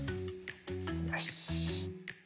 よし。